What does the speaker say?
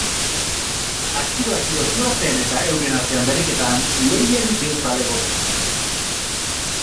Astiro-astiro zihoazen eta euren artean berriketan, lehiarik ez balego bezala.